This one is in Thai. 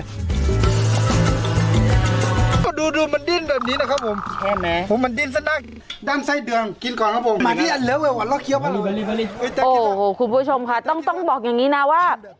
คุณผู้ชมค่ะต้องบอกอย่างนี้นะว่า